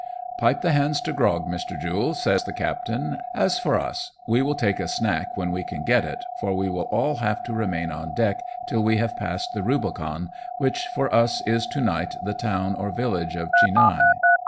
" Pipe the hands to grog, Mr. Jule," says the captain, " as for us, we will take a snack when we can get it, for we will all have to remain on deck till we have passed the rubicon, which for us is to night the town or village of Chinhae."